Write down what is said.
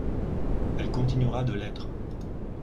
Elle continuera de l’être.